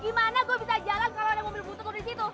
gimana gue bisa jalan kalau ada mobil butuh lo disitu